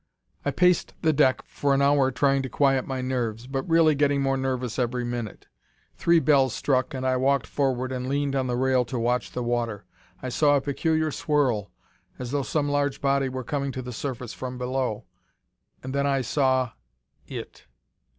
"I paced the deck for an hour trying to quiet my nerves, but really getting more nervous every minute. Three bells struck and I walked forward and leaned on the rail to watch the water. I saw a peculiar swirl as though some large body were coming to the surface from below, and then I saw it.